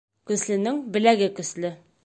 Көслөнөң беләге көслө.